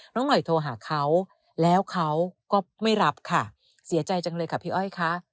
น้องหน่อยโทรหาเขาแล้วเขาก็ไม่รับค่ะเสียใจจังเลยค่ะพี่อ้อยค่ะ